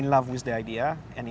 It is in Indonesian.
yang mencintai ide ini